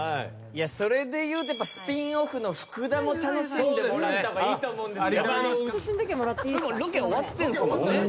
それでいうとスピンオフの福田も楽しんでもらった方がいいと思うんですよ。